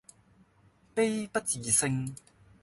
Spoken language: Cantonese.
悲不自勝